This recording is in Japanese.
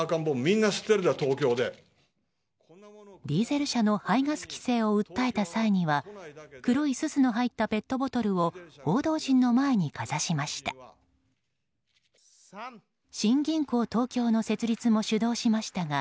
ディーゼル車の排ガス規制を訴えた際には黒いすすの入ったペットボトルを報道陣の前にかざしました。